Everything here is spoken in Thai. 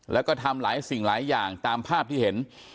แล้วก็ทำหลายสิ่งหลายอย่างตามภาพที่เห็น